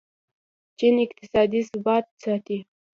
چین اقتصادي ثبات ساتي.